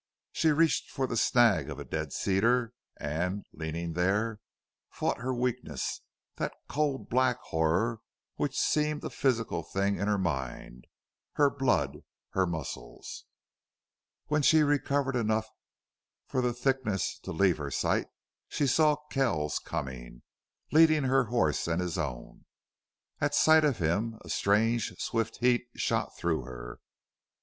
She reached for the snag of a dead cedar and, leaning there, fought her weakness, that cold black horror which seemed a physical thing in her mind, her blood, her muscles. When she recovered enough for the thickness to leave her sight she saw Kells coming, leading her horse and his own. At sight of him a strange, swift heat shot through her.